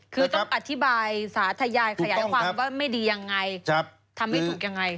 คือต้องอธิบายสาธยายขยายความว่าไม่ดียังไงทำไม่ถูกยังไง